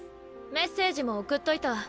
メッセージも送っといた。